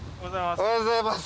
おはようございます。